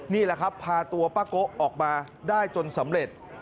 นี่แหละครับพาตัวป้าโกะออกมาได้จนสำเร็จ